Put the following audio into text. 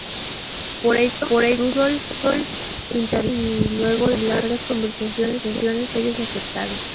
Por ello, Rudolf intervino y luego de largas conversaciones ellos aceptaron.